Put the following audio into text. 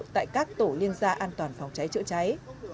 tại các tổ liên gia an toàn phòng cháy chữa cháy